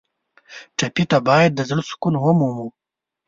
ټپي ته باید د زړه سکون ومومو.